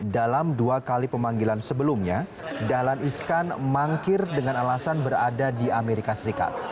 dalam dua kali pemanggilan sebelumnya dahlan iskan mangkir dengan alasan berada di amerika serikat